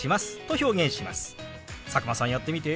佐久間さんやってみて。